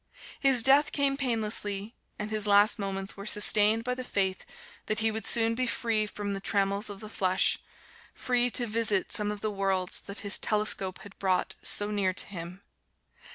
His death came painlessly, and his last moments were sustained by the faith that he would soon be free from the trammels of the flesh free to visit some of the worlds that his telescope had brought so near to him.